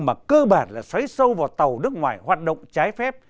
mà cơ bản là xoáy sâu vào tàu nước ngoài hoạt động trái phép